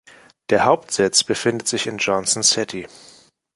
Der Hauptsitz befindet sich in Johnson City.